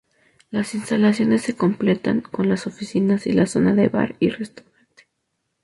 Las instalaciones se completan con las oficinas y la zona de bar y restaurante.